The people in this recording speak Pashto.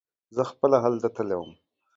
زه خپله هلته تللی وم.